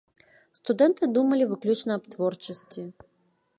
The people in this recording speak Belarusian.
Студэнты думалі выключна аб творчасці.